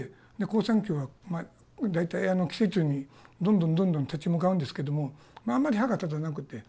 好酸球はまあ大体寄生虫にどんどんどんどん立ち向かうんですけどもまああまり歯が立たなくて。